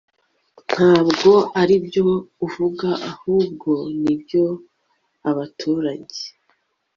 ntabwo aribyo uvuga ahubwo nibyo abaturage